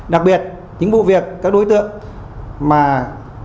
đặc biệt những vụ việc mà các đối tượng lại vi phạm nhiều lần